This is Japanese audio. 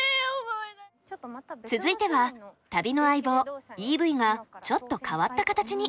続いては旅の相棒ＥＶがちょっと変わった形に。